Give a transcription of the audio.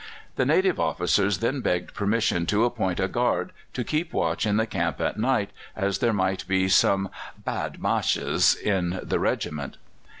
The native officers then begged permission to appoint a guard to keep watch in the camp at night, as there might be some badmashes in the regiment.